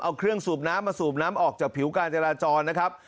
เอาเครื่องสูบน้ำมาสูบน้ำออกจากผิวการจราจรนะครับ